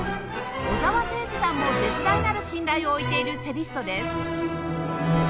小澤征爾さんも絶大なる信頼を置いているチェリストです